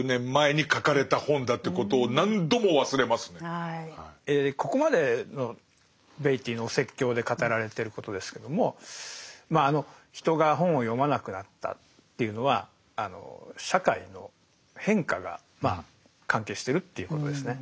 えここまでのベイティーのお説教で語られてることですけどもまああの人が本を読まなくなったっていうのは社会の変化がまあ関係してるっていうことですね。